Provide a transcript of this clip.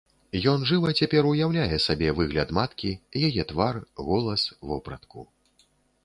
Ён жыва цяпер уяўляе сабе выгляд маткі, яе твар, голас, вопратку.